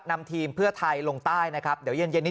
นำทีมเพื่อไทยลงใต้นะครับเดี๋ยวเย็นเย็นนี้